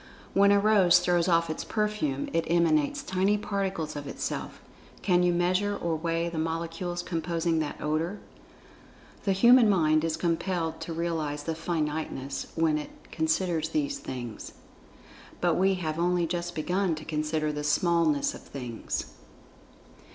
When a rose throws off its perfume, it emanates tiny particles of itself—can you measure or weigh the molecules composing that odor? The human mind is compelled to realize its finiteness when it considers these things—but we have only just begun to consider the smallness of Things.